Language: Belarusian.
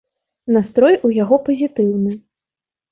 Настрой у яго пазітыўны.